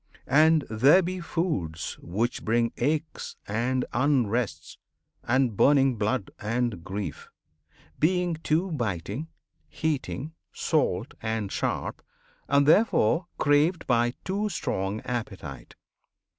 And there be foods which bring Aches and unrests, and burning blood, and grief, Being too biting, heating, salt, and sharp, And therefore craved by too strong appetite.